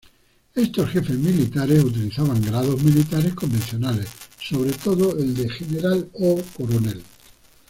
Estos jefes militares utilizaban grados militares convencionales, sobre todo el de general o coronel.